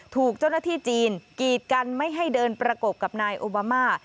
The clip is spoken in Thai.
ถูกเจ้าหน้าที่จีนกีดกันไม่ให้เดินประกบกับนายโอบามา